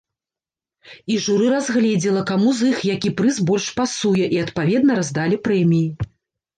І журы разгледзела, каму з іх які прыз больш пасуе і адпаведна раздалі прэміі.